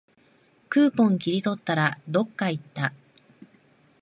クーポン切り取ったら、どっかいった